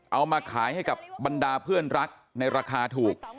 เอามาขายให้กับบรรดาเพื่อนรักในราคาถูก